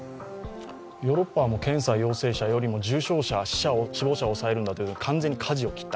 ヨーロッパは検査陽性者よりも重症者、死者を抑えるんだという方向に完全にかじを切った。